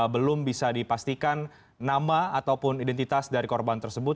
belum bisa dipastikan nama ataupun identitas dari korban tersebut